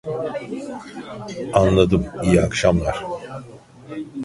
Anladım iyi akşamlar